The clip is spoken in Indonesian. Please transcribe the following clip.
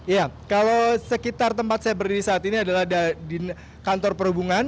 ya kalau sekitar tempat saya berdiri saat ini adalah kantor perhubungan